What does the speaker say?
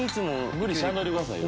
無理しないでくださいよ。